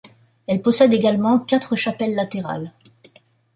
Elle possède également quatre chapelles latérales.